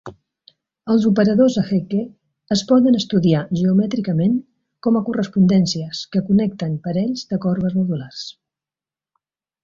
Els operadors de Hecke es poden estudiar geomètricament com a correspondències que connecten parells de corbes modulars.